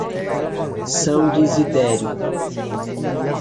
São Desidério